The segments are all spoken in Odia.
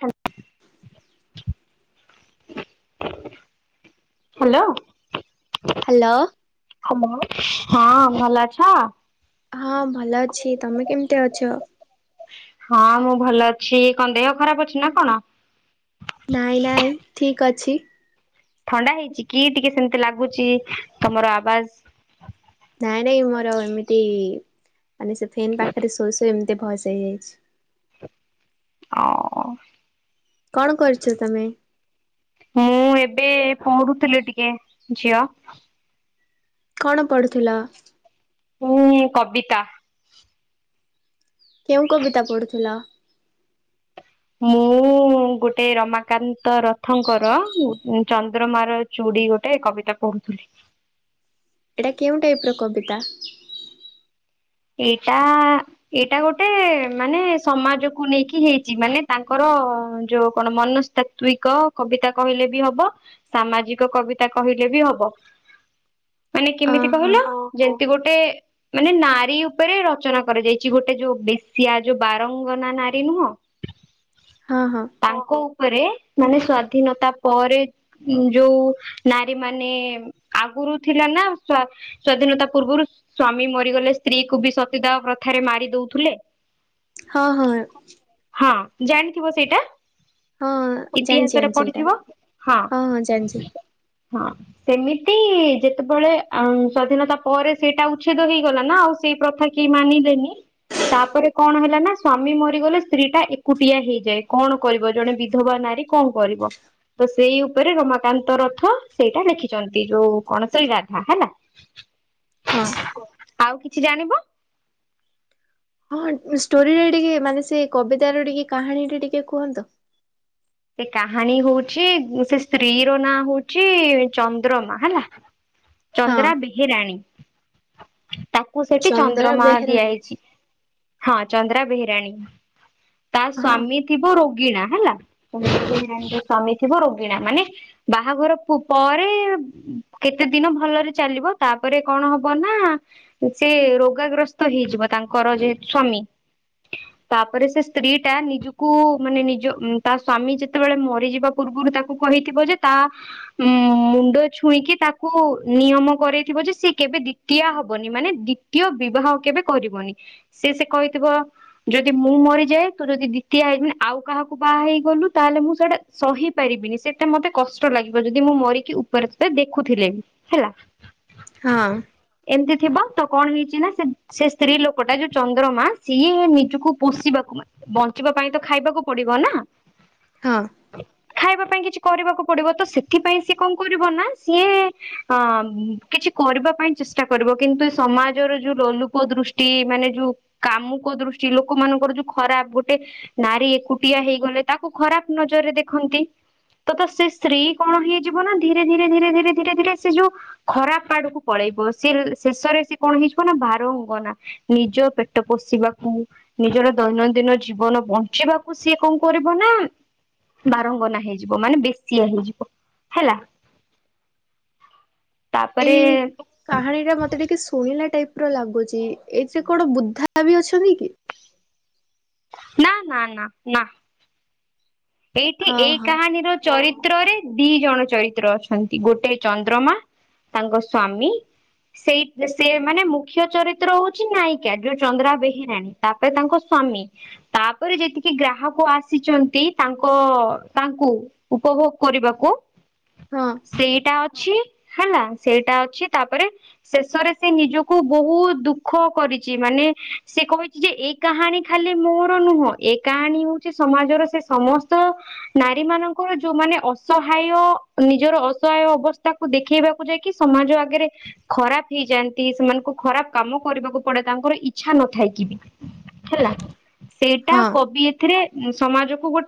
ହାଲୋ। ହାଲୋ। ହାଲୋ। ହାଲୋ ହଁ ଭଲ ଅଛ? ହଁ ଭଲ ଅଛି ତମେ କେମିତି ଅଛ? ହଁ ମୁଁ ଭଲ ଅଛି କଣ ଦେହ ଖରାପ ଅଛି ନା କଣ? ନାଇଁ ନାଇଁ ଠିକ୍ ଅଛି। ଥଣ୍ଡା ହେଇଚି କି ଟିକେ ସେମତି ଲାଗୁଚି ତମର ଆବାଜ୍? ନାଇଁ ନାଇଁ ମୋର ଏମିତି ମାନେ ସେ ଫେନ୍ ପାଖରେ ଶୋଇ ଶୋଇ ଏମତି ଭଏସେ ହେଇଯାଇଛି। [inaudible] ଅ କଣ କରୁଛ ତମେ? ମୁଁ ଏବେ ପଢୁଥିଲି ଟିକେ ଝିଅ। କଣ ପଢୁଥିଲ? ମୁଁ କବିତା। କେଉଁ କବିତା ପଢୁଥିଲ? ମୁଁ। ମୁଁ ଗୋଟେ ରମାକାନ୍ତ ରଥଙ୍କର ମୁଁ ଉଁ ଚନ୍ଦ୍ରମାର ଚୁଡି ଗୋଟେ କବିତା ପଢୁଥିଲି। ଏଇଟା କେଉଁ ଟାଇପ୍ ର କବିତା? ଏଇଟା। ଏଇଟା ଗୋଟେ ମାନେ ସମାଜକୁ ନେଇକି ହେଇଛି ମାନେ ତାଙ୍କର ଯୋଉ କଣ ମନସ୍ଥା ତ୍ଵିକ କବିତା କହିଲେ ବି ହବ ସାମାଜିକ କବିତା କହିଲେ ବି ହବ। ମାନେ କେମିତି ଅହୋ କହିଲ ଯେମିତି ଗୋଟେ ମାନେ ନା ରୀ ଉପରେ ରଚନା କରାଯାଇଛି ଗୋଟେ ଯୋଉ ବେଶିଆ ଯୋଉ ବାରଙ୍ଗନା ନାରୀ ନୁହଁ? [inaudible] ହଁ ହଁ। ତାଙ୍କ ଉପରେ ମାନେ ସ୍ଵାଧୀନତା ପରେ। ଯୋଉ ନାରୀମାନେ ଆଗୁରୁ ଥିଲା ନା ସ୍ୱା ସ୍ଵାଧୀନତା ପୂର୍ବରୁ ସ୍ଵାମୀ ମରିଗଲେ। ସ୍ତ୍ରୀ କୁ ବି ସତୀଦାୟ ପ୍ରଥାରେ ମାରି ଦଉଥିଲେ। ହଁ ହଁ। ହଁ ଜାଣିଥିବ ସେଇଟା। ହଁ ଜାଣିଛି ଇତିହାସରେ ଜାଣିଛି ଏଇଟା ପଢିଥିବ ହଁ ହଁ। ସେମିତି ଯେତେବେଳେ ସ୍ଵାଧୀନତା ପରେ ସେଇଟା ଉଚ୍ଛେଦ ହେଇଗଲା ନା ଆଉ ସେଇ ପ୍ରଥା କେଇ ମାନିଲେନି। ତାପରେ କଣ ହେଲା ନା ସ୍ଵାମୀ ମରିଗଲେ ସ୍ତ୍ରୀ ଟା ଏକୁଟିଆ ହେଇଯାଏ କଣ କରିବ ଜଣେ ବିଧବା ନାରୀ କଣ କରିବ? ତ ସେଇ ଉପରେ ରମାକାନ୍ତ ରଥ ସେଇଟା ଲେଖିଛନ୍ତି ଯୋଉ କଣସଳୀ ରାଧା ହେଲା। ହଁ ଆଉ କିଛି ଜାଣିବ? ହଁ ଷ୍ଟୋରିରେ ଟିକେ ମାନେ ସେ କବତାର ଟିକେ କାହାଣୀ ଟ ଟିକେ କୁହନ୍ତୁ। ସେ କାହାଣୀ ହଉଛି ସେ ସ୍ତ୍ରୀ ର ନାଁ ହଉଛି ଚନ୍ଦ୍ରମା ହେଲା। ହଁ ଚନ୍ଦ୍ରା ବେହେରାଣୀ। ତାକୁ ସେଠି ଚନ୍ଦ୍ର ଚନ୍ଦ୍ରମା ବେହେରାଣୀ ଦିଆହେଇଛି। ହଁ ଚନ୍ଦ୍ରା ବେହେରାଣୀ ତା ହଁ ସ୍ଵାମୀ ଥିବ ରୋଗିଣା ହେଲା। [unintelligible] ସ୍ୱାମୀ ଥିବ ରୋଗିଣା ମାନେ ବାହାଘର ପୁ ପରେ କେତେ ଦିନ ଭଲରେ ଚାଲିବ ତାପରେ କଣ ହବ ନା ସେ ରୋଗାଗ୍ରସ୍ତ ହେଇଯିବ ତାଙ୍କର ଯେ ସ୍ଵାମୀ। ତାପରେ ସେ ସ୍ତ୍ରୀ ଟା ନିଜକୁ ମାନେ ନିଜ ତା ସ୍ଵାମୀ ଯେତେବେଳେ ମରିଯିବା ପୂର୍ବରୁ ତାକୁ କହିଥିବ ଯେ ତା ଉଁ ମୁଣ୍ଡ ଛୁଇଁକି ତାକୁ ନିୟମ କରଇଥିବ ଯେ ସିଏ କେବେ ଦି ତିଆ ହବନି ମାନେ ଦ୍ଵିତୀୟ ବିବାହ କେବେ କରିବନି। ସେ ସେ କହିଥିବ ଯଦି ମୁଁ ମରିଯାଏ ତୁ ଯଦି ଦ୍ୱତିଆ ହେଇ ଆଉ କାହାକୁ ବାହା ହେଇଗଲୁ ତାହେଲେ ମୁଁ ସେଇଟା ସହି ପାରିବିନି ସେଇଟା ମତେ କଷ୍ଟ ଲାଗିବ ଯଦି ମୁଁ ମରିକି ଉପରେ ସେ ଦେଖୁଥିଲେ ହେଲା। ହଁ। ଏମିତି ଥିବ ତ କଣ ହେଇଛି ନା ସେ ସେ ସ୍ତ୍ରୀ ଲୋକଟା ଯୋଉ ଚନ୍ଦ୍ରମା ସିଏ ନିଜକୁ ପୋଷିବାକୁ ବଞ୍ଚିବା ପାଇଁ ତ ଖାଇବାକୁ ପଡିବ ବନା ହଁ ଖାଇବା ପାଇଁ କିଛି କରିବାକୁ ପଡିବ ତ ସେଥିପାଇଁ ସିଏ କଣ କରିବ ନା ସିଏ ଅ କିଛି କରିବା ପାଇଁ ଚେଷ୍ଟା କରିବ କିନ୍ତୁ ଏ ସମାଜର ଯୋଉ ଲୋଲୁପ ଦୃଷ୍ଟି ମାନେ ଯୋଉ କାମୁକ ଦୃଷ୍ଟି ଲୋକମାନାନଙ୍କର ଯୋଉ ଖରାପ ଗୋଟେ ନାରୀ ଏ ପିଆ ହେଇଗଲେ ତାକୁ ଖରାପ ନଜରରେ ଦେଖନ୍ତି। ତ ତ ସେ ସ୍ତ୍ରୀ କଣ ହେଇଯିବ ନା ଧୀରେ ଧୀରେ ଧୀରେ ଧୀରେ ଧୀରେ ଧୀରେ ସେ ଯୋଉ ଖରାପ ଆଡକୁ ପଳେଇବ ସେ ଶେଷରେ ସିଏ କଣ ହେଇଯିବ ନା ଭାରଙ୍ଗନା ନିଜ ପେଟ ପୋଷିବାକୁ ନିଜର ଦୈନନ୍ଦିନ ଜୀବନ ବଞ୍ଚିବା କୁ ସିଏ କଣ କରିବ ନା ବାରଙ୍ଗନା ହେଇଯିବ ମାନେ ବେଶ୍ୟା ହେଇଯିବ ହେଲା। ତାପରେ ଏଇ କାହାଣୀ ଟା ମତେ ଟିକେ ଶୁଣିଲା ଟାଇପ ର ଲାଗୁଚି ଏଇଥିରେ କଣ ବୁଦ୍ଧା ବି ଅଛନ୍ତି କି? ନା ନା ନା ନା ଏଇଠି ହଁ ଏଇ ହଁ କାହାଣୀର ଚରିତ୍ରରେ ଦି ଜଣ ଚରିତ୍ର ଅଛନ୍ତି ଗୋଟେ ଚନ୍ଦ୍ରମା ତାଙ୍କ ସ୍ଵାମୀ ସେଇ ସିଏ ମାନେ ମୁଖ୍ୟ ଚରିତ୍ର ହଉଛି ନାୟିକା ଯୋଉ ଚନ୍ଦ୍ରା ବେହେରାଣୀ। ତାପରେ ତାଙ୍କ ସ୍ଵାମୀ ତାପରେ ଯେତିକି ଗ୍ରାହକ ଆସିଚନ୍ତି। ତାଙ୍କ ତାଙ୍କୁ ଉପଭୋଗ କରିବାକୁ। ହଁ ସେଇଟା ଅଛି ହେଲା ସେଇଟା ଅଛି ତାପରେ ଶେଷରେ ସେ ନିଜକୁ ବହୁତ ଦୁଃଖ କରିଛି ମାନେ ସେ କହି ଯେ ଏ କାହାଣୀ ଖାଲି ମୋର ନୁହଁ ଏ କାହାଣୀ ହଉଛି ସମାଜର ସେ ସମସ୍ତ ନାରୀ ମାନଙ୍କର ଯୋଉମାନେ ଅସହାୟ ନିଜର ଅସହାୟ ଅବସ୍ଥା। ଦେଖେଇବାକୁ ଯାଇକି ସମାଜ ଆଗରେ। ଖରାପ ହେଇଯାଆନ୍ତି। ସେମାନଙ୍କୁ ଖରାପ କାମ କରିବାକୁ ପଡେ। ତାଙ୍କର ଇଚ୍ଛା ନଥାଇ କି ବି। ହେଲା ସେଇଟା ହଁ କବି ଏଥିରେ ସମାଜକୁ ଗୋଟେ।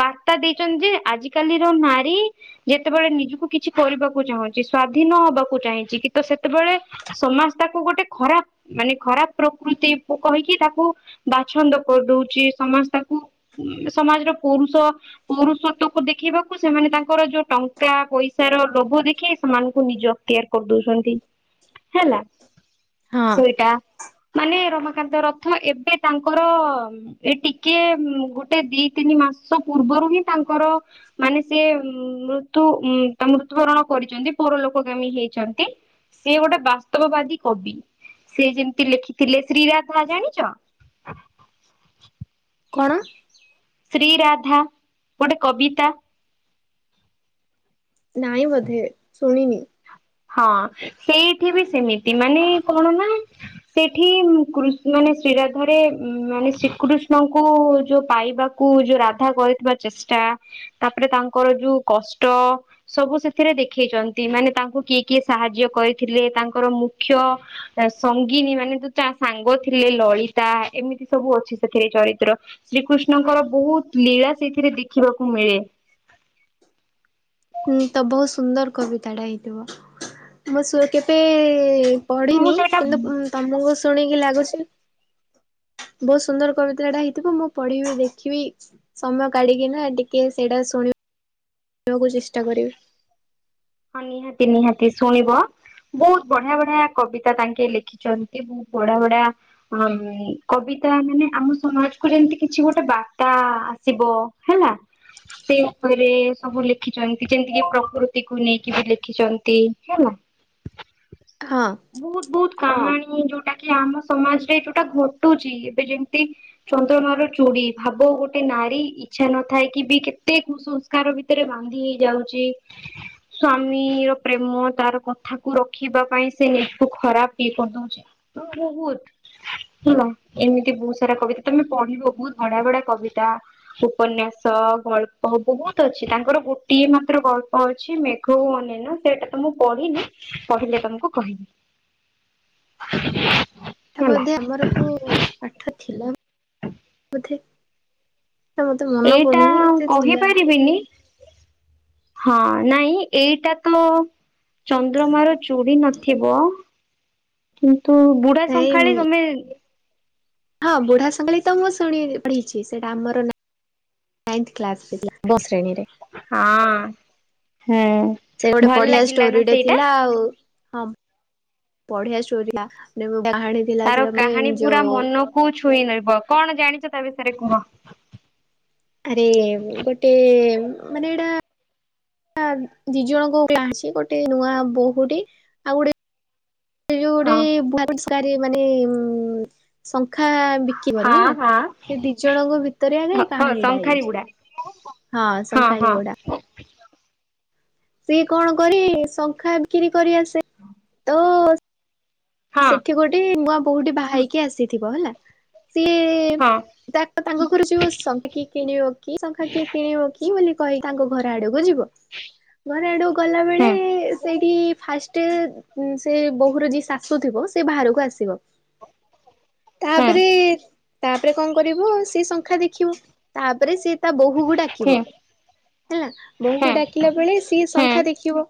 ବାର୍ତ୍ତା ଦେଇଛନ୍ତି ଯେ ଆଜିକାଲିର ନାରୀ। ଯେତେବେଳେ ନିଜକୁ କିଛି କରିବାକୁ ଚାହୁଁଛି ସ୍ଵାଧୀନ ହବାକୁ ଚାହୁଁଛି କି ତ ସେତେବେଳେ। ସମାଜ ତାକୁ ଗୋଟେ ଖରାପ। ମାନେ ଖରାପ ପ୍ରକୃତି ଲୋକ ହିଁ ତାକୁ ବାଛନ୍ଦ କରିଦଉଛି ସମାଜ ତାକୁ। ସମାଜର ପୁରୁଷ। ପୁରୁଷତ୍ଵକୁ ଦେଖେଇବାକୁ ସେମାନେ ତାଙ୍କର ଯୋଉ ଟଙ୍କା ପଇସାର ଲୋଭ ଦେଖେଇ ସେମାନଙ୍କୁ ନିଜ। ତିଆରି କରିଦଉଛନ୍ତି ହେଲା ହଁ ସେଟା। ମାନେ ରମାକାନ୍ତ ରଥ, ଏବେ ତାଙ୍କର ଏ ଟିକେ। ଗୋଟେ ଦି ତିନି ମାସ ପୂର୍ବରୁ ହିଁ ତାଙ୍କର। ମାନେ ସେ ମୃତ୍ୟୁ ବରଣ ମୃତ୍ୟୁବରଣ କରିଛନ୍ତି। ପରଲୋକ ଗାମୀ ହେଇଛନ୍ତି। ସେ ଗୋଟେ ବାସ୍ତବବାଦୀ କବି ସେ ଯେମିତି ଲେଖିଥିଲେ ଶ୍ରୀରାଧା ଜାଣିଛ? କଣ? ଶ୍ରୀ ରାଧା, ଗୋଟେ କବିତା। ନାଇଁ ବୋଧେ, ଶୁଣିନି। ହଁ ସେଇଠି ବି ସେମିତି ମାନେ କଣ ନା। ସେଇଠି ମାନେ ଶ୍ରୀରାଧାରେ ମାନେ ଶ୍ରୀକୃଷ୍ଣଙ୍କୁ ଯଉ ପାଇବା କୁ। କୁ ଯୋଉ ରାଧା କରିଥିବା ଚେଷ୍ଟା। ତାପରେ ତାଙ୍କର ଯୋଉ କଷ୍ଟ ସବୁ ସେଥିରେ ଦେଖେଇଛନ୍ତି ମାନେ ତାଙ୍କୁ କିଏ। କିଏ ସାହାଯ୍ୟ କରିଥିଲେ ତାଙ୍କର ମୁଖ୍ୟ। ସଙ୍ଗିନୀ ମାନେ ତ, ତା ସାଙ୍ଗ ଥିଲେ ଲଳିତା ଏମିତି ସବୁ ଅଛି ସେଥିରେ ଚରିତ୍ର। ଶ୍ରୀକୃଷ୍ଣଙ୍କର ବହୁତ ଲୀଳା ସେଇଥିରେ ଦେଖିବାକୁ ମିଳେ। ହୁଁ, ତ ବହୁତ ସୁନ୍ଦର କବିତାଟା ହେଇଥିବ। ମୁଁ କେବେ। ମୁଁ ପଢିନି ସେଇଟା କିନ୍ତୁ ତମଠୁଶୁଣିକି ଲାଗୁଛି। ବହୁତ ସୁନ୍ଦର କବିତା ଟା ହେଇଥିବ। ମୁଁ ପଢିବି ଦେଖିବି। ସମୟ କାଢିକିନା ଟିକେ ସେଇଟା ଶୁଣିବାକୁ ଚେଷ୍ଟା କରିବି। ହଁ ନିହାତି ନିହାତି ଶୁଣିବ। ବହୁତ ବଢିଆ ବଢିଆ କବିତା ତାଙ୍କେ ଲେଖିଛନ୍ତି। ବହୁତ ବଢିଆ ବଢିଆ। ହଁ କବିତା ମାନେ ଆମ ସମାଜ କୁ ଯେମିତି କିଛି ଗୋଟେ ବାର୍ତ୍ତା ଆସିବ। ହେଲା, ସେ ଉପରେ ସବୁ ଲେଖିଛନ୍ତି। ଯେମିତିକିପ୍ରକୃତି। କୁ ନେଇକି ବି ଲେଖିଛନ୍ତି ହେଲା। ହଁ। ବହୁତ ବହୁତ କାହାଣୀ ଯୋଉଟା କି ଆମ ସମାଜରେ ଯୋଉଟା ଘଟୁଛି। ଏବେ ଯେମିତି। ଚନ୍ଦ୍ରମା ର ଚୁଡି, ଭାବ ଗୋଟେ ନାରୀ। ଇଚ୍ଛା ନଥାଇକି ବି କେତେ କୁସଂସ୍କାର ଭିତରେ ବାନ୍ଧି ହେଇଯାଉଛି। ସ୍ଵାମୀର ପ୍ରେମ ତାର କଥାକୁ ରଖିବା ପାଇଁ ସେ ନିଜକୁ ଖରାପ ଇଏ କରିଦଉଛି। ହଁବହୁତ ହୁ ଏମିତି ବହୁତ ସାରା କବିତା ତମେ ପଢିବ ବହୁତ ବଢିଆ ବଢିଆ କବିତା। ଉପନ୍ୟାସ ଗଳ୍ପ ବହୁତ ଅଛି। ତାଙ୍କର ଗୋଟିଏ ମାତ୍ର ଗଳ୍ପ ଅଛି ହଉ ମନେ ନାଇ ସେଇଟା ତ ମୁଁ ପଢିନି। ପଢିଲେ ତମକୁ କହିବି। ହ [unintelligible] ବୋଧେ ଆମରକୁ ପାଠ ଥିଲା ବୋଧେ। ମତେ ମନେ ଏଇଟା ପଡୁନି ବୋଧେ ଥିଲା କହିପାରିବିନି। ହଁ ନାଇଁ ଏଇଟା ତ ଚନ୍ଦ୍ରମା ର ଛ ତୁଡି ନଥିବ କିନ୍ତୁ ବୁଢା ଶଙ୍ଖାଳି ନାଇଁ ତମେ ହଁ ବୁଢା ସଙ୍ଖାଳି ତ ମୁଁ ଶୁଣି ଳି ପଢିଛି ସେଟା ଆମର ନାଇନଥ କ୍ଲାସ ରେ ଥିଲା। ବ ଶ୍ରେଣୀରେ। ହଁ। ହେଁ। ସେ ଗୋଟେ ବଢିଆ ଷ୍ଟୋରିଟେ ଥିଲା ଆଉ ହଁ। ପଢିଆଷ୍ଟୋରି ଥିଲା ନେବୁ ବାହାଡିତ। ତାର କାହାଣୀ ପୁରା ମନକୁ ଛୁଇଁ ନେବ। କଣ ଜାଣିଚ ତା ବିଷୟରେ କୁହ? ଆରେ ଗୋଟେ ମାନେ ଏଇଟା ଦି ଜଣଙ୍କ କ୍ଲାସୀ ଗୋଟେ ନୂଆ ବୋହୂଟି ଆଉ ଗୋଟେ ସେ ଯଉ ଗୋଟେ ହଁ ଭରି ସଂସ୍କାରି ମାନେ ଶଙ୍ଖା ବିକିବନି ହଁ ହେଲା ହଁ ସେ ଦି ଜଣଙ୍କ ଭିତରେ ଆଗେ ଏ ହଁ କାହାଣୀ ଟା ଶଙ୍ଖାରି ହେଇଚି। ବୁଢା ହଁ ଶଙ୍ଖାଳୀ ବୁଢା। ସିଏ କଣ କରେ ଶଙ୍ଖା ବିକିରି କରି ଆସେ। ତ ହଁ ସେଠି ଗୋଟେ ନୂଆ ବୋହୁ ଟେ ବାହାହେଇକି ଆସିଥିବ ହେଲା। ସିଏ ହଁ ତା ତାଙ୍କ ଘର ଯିବ ଶଙ୍ଖା କିଏ କିଣିବ କି ଶଙ୍ଖା କିଏ କିଣିବ କି ବୋଲି କହି ତାଙ୍କ ଘର ଆଡକୁ ଯିବ। ଘର ଆଡକୁ ଗଲା ବେଳେ ହୁଁ ସେଇଠି ଫାଷ୍ଟ ଷ୍ଟେ ସେ ବୋହୂର ଯିଏ ଶାଶୁ ଥିବ ସେ ବାହାରକୁ ଆସିବ। ହୁଁ ତାପରେ ତାପରେ କଣ କରିବ ସେ ଶଙ୍ଖା ଦେଖିବ। ତାପରେ ସିଏ ତା ବୋହୁକୁ ହୁଁ ଡାକିବ। ହେଲା ବୋହୁ କୁ ହୁଁ ଡାକିଲା ବେଳେ ସିଏ ହୁଁ ଶଙ୍ଖା ଦେଖିବ।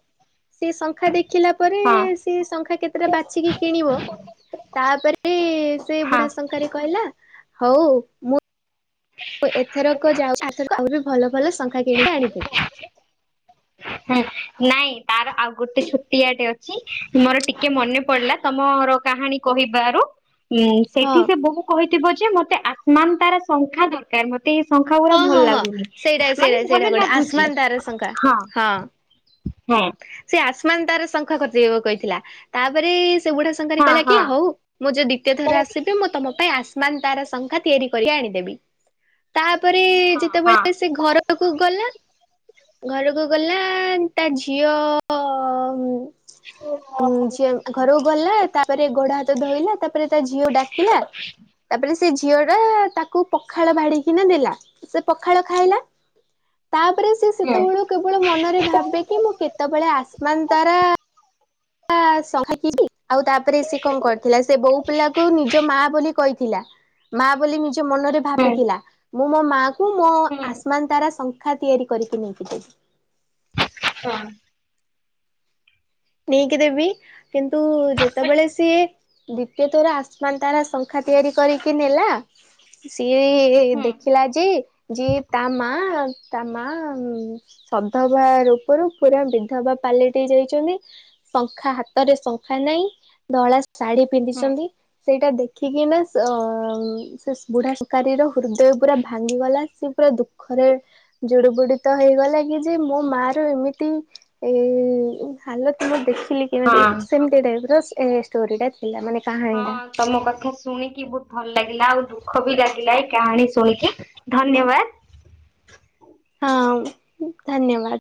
ସିଏ ଶଙ୍ଖା ଦେଖିଲା ତାପରେ ହଁ ସେ ଶଙ୍ଖା କେତେଟା ବାଛିକି କିଣବ ତାପରେ ସେ ହଁ ବୁଢା ଶ ଶଙ୍ଖାରି କହିଲା ହୋଉ ମୁଁ ଏଥରକ ଯାଉ ଆର ଥରକ ଆହୁରି ଭଲ ଭଲ ସଂଙ୍ଖା କିଣିକି ଆଣିଦେବି। ହେଁ। ନାଇଁ ତାର ଆଉ ଗୋଟେ ଛୋଟିଆଟେ ଅଛି। ମୋର ଟିକେ ମନେ ପଡିଲା ତମର କାହାଣୀ କହିବାରୁ। ହୁଁ ସେଇଠି ହଁ ସେ ବୋହୁ କହିଥିବ ଯେ ମତେ ଆସମାନ ତାରା ଶଙ୍ଖା ଦରକାର ମତେ। ମତେ ଏ ଶଙ୍ଖା ଉରା ହଁ ଭଲ ହଁ ହଁ ଲାଗୁନି ସେଇଟା ମାନେ ସେଇଟା ସେଇଟା ଭଲ ଗୋଟେ ଲାଗୁଚି ଆସମାନ ତାରା ଶଙ୍ଖା ହଁ। ହଁ। ସେ ଆସମା ତାର ଶଙ୍ଖା ଖରଦେବ କହିଥିଲା। ତାପରେ ସେ ବୁଢ଼ା ଶଙ୍ଖାରି ହଁ କହିଲା କି ହଁ ହଉ ମୁଁ ଯୋଉ ଦ୍ୱିତୀୟ ଥର ଆସିବି ମୁଁ ତମ ପାଇଁ ଆସ ମାନତାରା ଶଙ୍ଖା ତିଆରି କରି ଆଣିଦେବି। ତାପରେ ହଁ ହଁ ଯେତେବେଳେ ସେ ଘରକୁ ଗଲା। ଘରକୁ ଗଲା ତା ଝିଅ ଉଁ ଝୀଅ ଘରୁକ ଗଲା ତାପରେ ଗୋଡ ହାତ ଧୋଇଲା ତାପରେ ତା ଝିଅକୁ ଡାକିଲା। ତାପରେ ସେ ଝିଅ ଟା ତାକୁ ପଖାଳ ଵାଢ଼ିକିନା ଦେଲା। ସେ ପଖାଳ ଖାଇଲା ତାପରେ ସେଏ ହୁଁ ସେତେବେଳୁକ କେବଳ ମନରେ ଭାବେ କି ମୁଁ କେତୋବେଳେ ଆସମାନ ତାରା ଆ ଶଙ୍ଖା ଇଚି ଆଉ ତାପରେ ସେ କଣ କରଥିଲା ସେ ବୋଉ ପିଲା କ ନିଜ ମା ବୋଲି କଇଥିଲା। ମା ବୋଲି ନିଜ ମନରେ ହୁଁ ଭାବିଥିଲା। ମୁଁ ମୋ ମାଆ କୁ ମୋ ହୁଁ ଆସମା ତାରା ଶଙ୍ଖା ତିଆରି କରିକି ନେଇକି ଦେବି। ହଁ। ନେଇକି ଦେବି। କିନ୍ତୁ ଯେତେବେଳେ ସିଏ ଦ୍ୱିତୀୟ ତୋର ଆସମାନ ତାରା ଶଙ୍ଖା ତିଆରି କରିକି ନେଲା। ସିଏ ହୁଁ ଦେଖ ଥିଲା ଯେ ଯେ ତା ମା ତା ମା ଉଁ ସଧବା ରୂପରୁ ପୁରା ବିଧବା ପାଲିଟି ଯାଇଛନ୍ତି ଶଙ୍ଖା ହାତରେ ଶଙ୍ଖା ନାହିଁ ଧଳା ଶାଢୀ ହୁଁ ପିନ୍ଧିଛନ୍ତି। ସେଇଟା ଦେଖିକି ନା ଅ ସେ ବୁଢା ସ ଙ୍ଖାରିର ହୃଦୟ ପୁରା ଭାଙ୍ଗିଗଲା ସିଏ ପୁରା ଦଃଖ ଖରେ ଜୁଡ ବୁଡି ତ ହେଇଗଲା କି ଯେ ମୋ ମା ର ଏମିତି ଏ ହାଲତ କି ମୁଁ ଦେଖିଲି ହଁ। କେମତି ସେମିତି ଟାଇପ ରଷ୍ଟୋରି ଟା ଥିଲା ମାନେ କା ହଁ ତମ କଥା ଶୁଣିକି ବୋହୁତ ଭଲ ଲାଗିଲା ଆଉ ଦୁଃଖ ବି ଲାଗିଲା ଏଇ କାହାଣୀ ଶୁଣିକି ଧନ୍ୟବାଦ। ହଁ ଧନ୍ୟବାଦ।